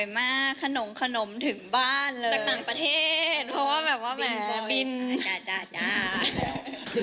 ไม่ต้องพูดเลย